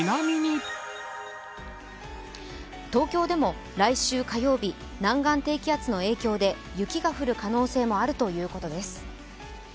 東京でも来週火曜日、南岸低気圧の影響で雪が降る可能性もあるということです。